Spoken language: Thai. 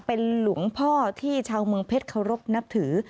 เป็นศักดิ์หลวงพ่อที่เช้ามึกเพศขอรบนับถือ